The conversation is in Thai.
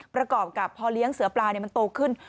ประกอบกับพอเลี้ยงเสือปลามันโตขึ้น